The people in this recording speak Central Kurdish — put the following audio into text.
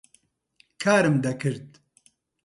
کارم دەکرد.